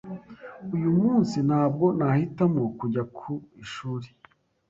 Uyu munsi, ntabwo nahitamo kujya ku ishuri.